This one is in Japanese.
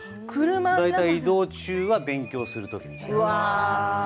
大体、移動中は勉強するときです。